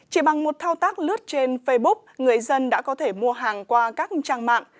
chỉ bằng một thao tác lướt trên facebook người dân đã có thể mua hàng qua các trang mạng